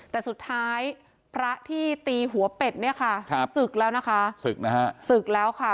แต่สุดท้ายพระที่ตีหัวเป็ดเนี่ยค่ะสึกแล้วนะคะสึกแล้วค่ะ